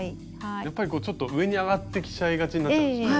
やっぱりこうちょっと上に上がってきちゃいがちになっちゃいますよね。